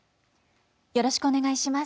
よろしくお願いします。